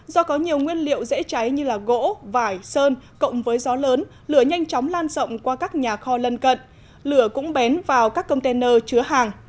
do có nhiều nguyên liệu dễ cháy như gỗ vải sơn cộng với gió lớn lửa nhanh chóng lan rộng qua các nhà kho lân cận lửa cũng bén vào các container chứa hàng